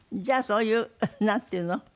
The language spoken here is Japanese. じゃあそういうなんていうの？